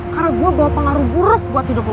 karena gue bawa pengaruh buruk buat hidup lo